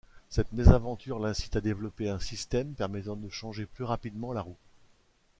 Cette mésaventure l'incite à développer un système permettant de changer plus rapidement la roue.